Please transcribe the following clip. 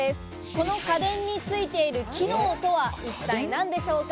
この家電についている機能とは、一体何でしょうか。